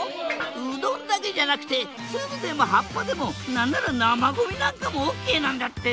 うどんだけじゃなくてツルでも葉っぱでも何なら生ゴミなんかもＯＫなんだって！